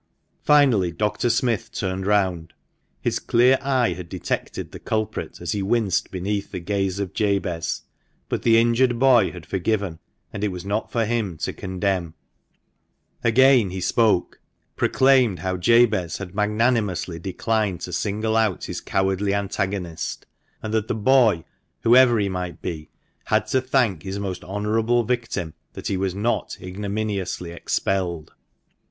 Finally, Dr. Smith turned round. His clear eye had detected the culprit as he winced beneath the gaze of Jabez. But the injured boy had forgiven, and it was not for him to condemn. THE MANCHESTER MAN. lot Again he spoke — proclaimed how Jabez had magnanimously declined to single out his cowardly antagonist ; and that the boy, whoever he might be, had to thank his most honourable victim that he was not ignominiously expelled.